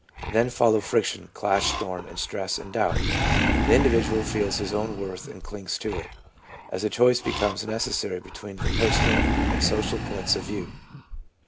Then follow friction, clash, storm and stress and doubt. The individual feels his own worth and clings to it, as a choice becomes necessary between the personal and social points of view.